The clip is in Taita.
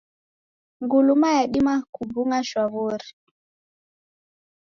Nguluma yadima kubung'a shwa wori.